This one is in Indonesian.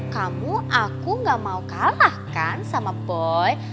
kamu aku gak mau kalah kan sama boy